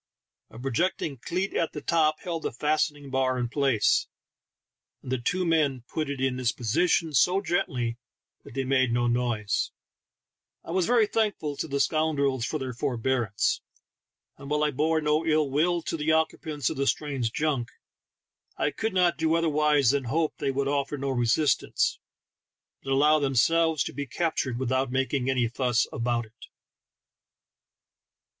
A projecting cleat at the top held the fastening bar in place, and the two men put it in its position so gently that they made no noise. THE TALKING HANDKERCHIEF. 25 I was very thankful to the scoundrels for their forbearance, and while I bore no ill will to the occupants of the strange junk, I could not do otherwise than hope they would offer no resist ance, but allow themselves to be captured without making any fuss about it.